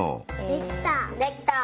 できた。